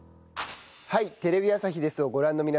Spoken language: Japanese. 『はい！テレビ朝日です』をご覧の皆さん。